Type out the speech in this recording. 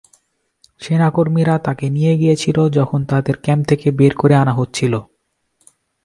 সেনা কর্মীরা তাকে নিয়ে গিয়েছিল যখন তাদের ক্যাম্প থেকে বের করে আনা হচ্ছিল।